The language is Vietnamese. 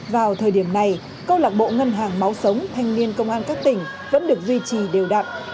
vào thời điểm này câu lạc bộ ngân hàng máu sống thanh niên công an các tỉnh vẫn được duy trì đều đặn